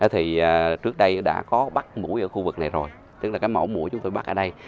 thì trước đây đã có bắt mũi ở khu vực này rồi tức là cái mẫu mũi chúng tôi bắt ở đây